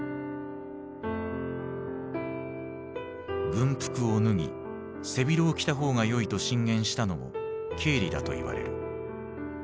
軍服を脱ぎ背広を着た方が良いと進言したのもケーリだといわれる。